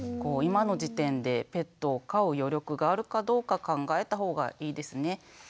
今の時点でペットを飼う余力があるかどうか考えたほうがいいですね。